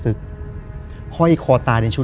คือก่อนอื่นพี่แจ็คผมได้ตั้งชื่อ